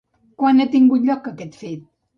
Quan ha tingut lloc aquest fet?